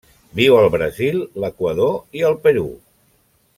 Viu al Brasil, l'Equador i el Perú.